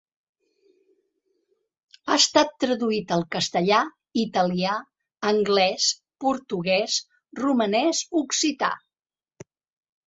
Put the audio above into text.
Ha estat traduït al castellà, italià, anglès, portuguès, romanès, occità.